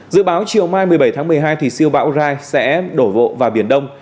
dự báo chiều mai một mươi bảy tháng một mươi hai siêu bão rai sẽ đổ bộ vào biển đông